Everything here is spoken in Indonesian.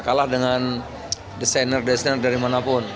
bukan salah dengan desainer desainer dari mana pun